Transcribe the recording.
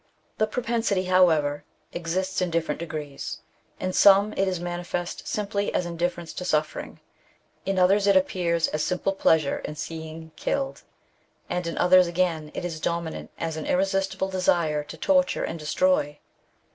The propensity, however, exists in different degrees. In some it is manifest simply as indifference to suffer ing, in others it appears as simple pleasure in seeing killed, and in others again it is dominant as an irresist ible desire to torture and destroy.